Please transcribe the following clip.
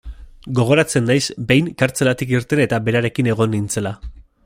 Gogoratzen naiz, behin, kartzelatik irten eta berarekin egon nintzela.